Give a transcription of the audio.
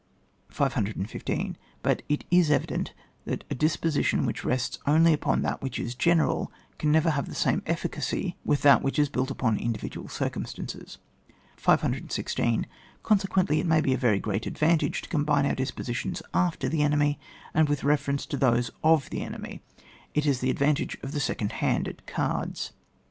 515. But it is evident that a disposi tion which only rests upon that which is general, can never have the same efficacy with that which is built upon individual circumstances. 516. Consequently, it must be a very great advantage to combine our disposi tions after the enemy, and with refer ence to those of the enemy, it is the ad vantage of the second hand, at cards.